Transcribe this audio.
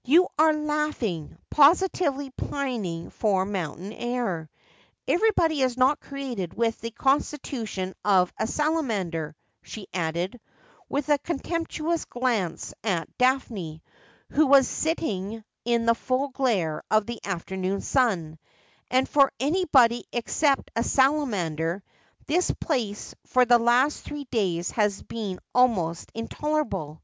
' Zou are languishing — positively pining for mountain air. Everybody is not created with the constitution of a salamander,' she added, with a contemptuous glance at Daphne, who was sitting in the full glare of the afternoon sun, ' and for anybody except a salamander this place for the last three days has been almost intolerable.